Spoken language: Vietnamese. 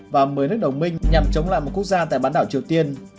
và một mươi nước đồng minh nhằm chống lại một quốc gia tại bán đảo triều tiên